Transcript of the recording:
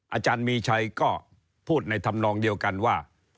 อาจารย์มีชัยก็พูดในธรรมนองเดียวกันว่า